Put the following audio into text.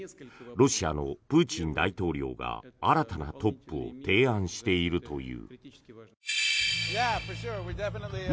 ロシアのプーチン大統領が新たなトップを提案しているという。